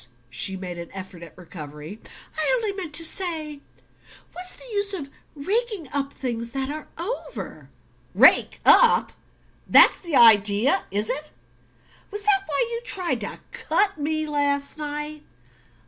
She made an effort at recovery. "I only meant to say what's the use of raking up things that are over?" "Rake up? That's the idea, is it? Was that why you tried to cut me last night?"